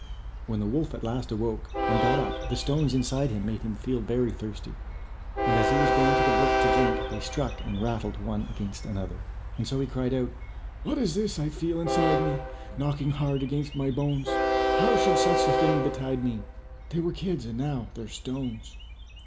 When the wolf at last awoke, and got up, the stones inside him made him feel very thirsty, and as he was going to the brook to drink, they struck and rattled one against another. And so he cried out: "What is this I feel inside me Knocking hard against my bones? How should such a thing betide me! They were kids, and now they're stones."